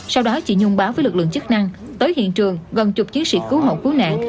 sau đó chị nhung báo với lực lượng chức năng tới hiện trường gần chục chiến sĩ cứu hộ cứu nạn